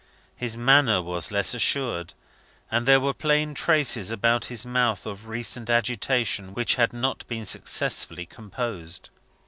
His manner was less assured, and there were plain traces about his mouth of recent agitation which had not been successfully composed.